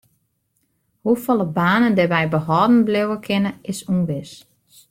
Hoefolle banen dêrby behâlden bliuwe kinne is ûnwis.